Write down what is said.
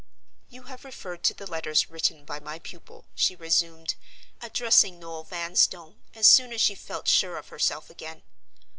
"You have referred to the letters written by my pupil," she resumed, addressing Noel Vanstone as soon as she felt sure of herself again.